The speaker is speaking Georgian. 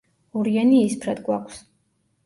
ორიანი იისფრად გვაქვს.